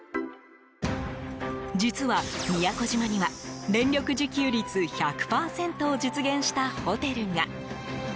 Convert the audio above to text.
実は、宮古島には電力自給率１００％を実現したホテルが。